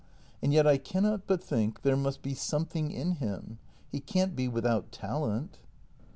And yet I cannot but think there must be some thing in him — he can't be without talent.